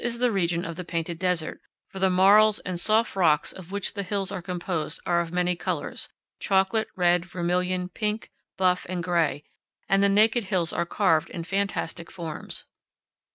the region of the Painted Desert, for the marls and soft rocks of which the hills are composed are of many colors chocolate, red, vermilion, pink, buff, and gray; and the naked hills are carved in fantastic forms.